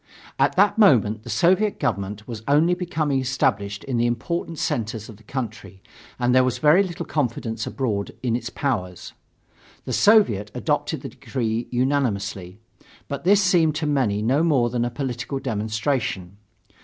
At that moment the Soviet government was only becoming established in the important centers of the country and there was very little confidence abroad in its power. The Soviet adopted the decree unanimously. But this seemed to many no more than a political demonstration.